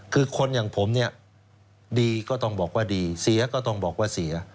คือคนอย่างผมเนี่ยดีก็ต้องบอกว่าดีเสียก็ต้องบอกว่าเสีย